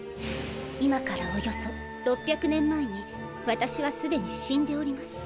今からおよそ６００年前に私はすでに死んでおります。